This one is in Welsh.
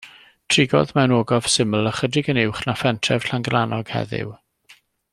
Trigodd mewn ogof syml ychydig yn uwch na phentref Llangrannog heddiw.